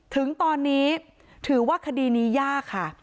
ถึงตอนนี้ถือว่าคดีนี้ยากค่ะ